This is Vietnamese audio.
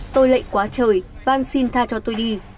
tôi lệnh quá trời vang xin tha cho tôi đi